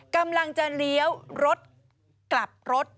กำลังจะเลี้ยวรถกลับรถ